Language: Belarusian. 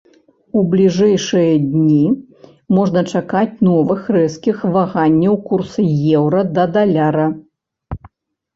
У бліжэйшыя дні можна чакаць новых рэзкіх ваганняў курсу еўра да даляра.